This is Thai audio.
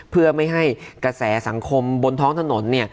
เพื่อไม่ให้กระแสสังคมบนท้องถนน